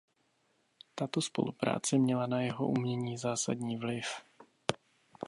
Tato spolupráce měla na jeho umění zásadní vliv.